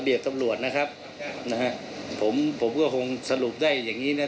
ตำรวจนะครับนะฮะผมผมก็คงสรุปได้อย่างงี้นะ